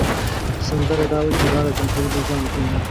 سندره دا وه چې راغی جمهوري نظام وطن لره.